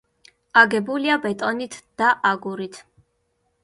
აგებულია ბეტონით და აგურით.